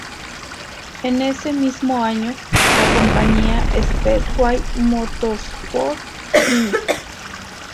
En ese mismo año, la compañía Speedway Motorsports, Inc.